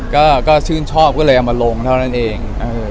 ก็ชื่นชอบก็เลยเอามาลงเท่านั้นเอง